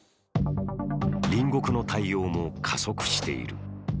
隣国の対応も加速している。